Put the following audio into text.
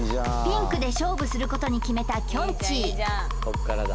ピンクで勝負することに決めたきょんちぃ